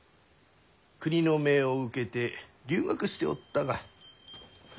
国の命を受けて留学しておったがえ